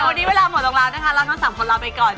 วันนี้เวลาหมดลงแล้วนะคะเราทั้ง๓คนลาไปก่อน